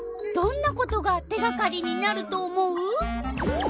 どんなことが手がかりになると思う？